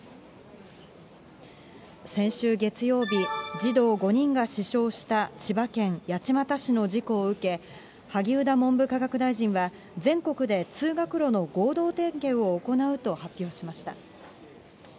先週月曜日、児童５人が死傷した千葉県八街市の事故を受け、萩生田文部科学大臣は、全国で通学路の合同点検を行うと発表しました。